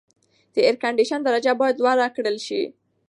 د اېرکنډیشن درجه باید لوړه کړل شي.